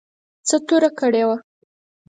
څه توره کړې وه.